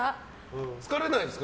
疲れないんですか？